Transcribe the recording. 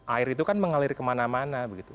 air itu kan mengalir kemana mana begitu